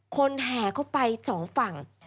คนแหข้อไปสองฝั่ง